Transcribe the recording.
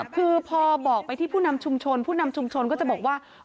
คือพอบอกไปที่ผู้นำชุมชนผู้นำชุมชนก็จะบอกว่า